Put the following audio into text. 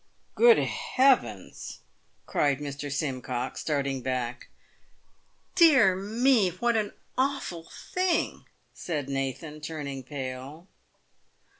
" Grood Heavens !" cried Mr. Simcox, starting back. "Dear me! what an awful thing!" said Nathan, turning pale.